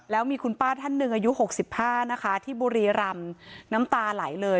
แล้วมีคุณป้าท่านหนึ่งอายุ๖๕นะคะที่บุรีรำน้ำตาไหลเลย